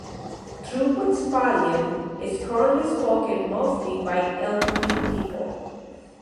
True Westphalian is currently spoken mostly by elderly people.